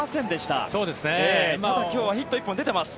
ただ、今日はヒット１本出ています。